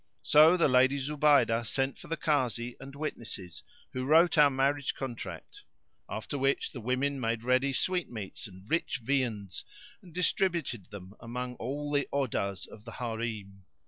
So the Lady Zubaydah sent for the Kazi and witnesses who wrote our marriage contract, after which the women made ready sweetmeats and rich viands and distributed them among all the Odahs[FN#567] of the Harim.